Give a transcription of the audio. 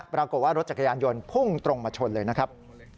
ปรากฏว่ารถจักรยานยนต์พุ่งตรงมาชนเลยนะครับ